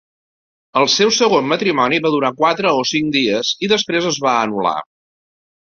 El seu segon matrimoni va durar quatre o cinc dies i després es va anular.